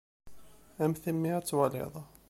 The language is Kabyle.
A mm timmi ad twaliḍ.